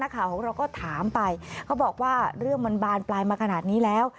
ข่าวของเราก็ถามไปเขาบอกว่าเรื่องมันบานปลายมาขนาดนี้แล้ว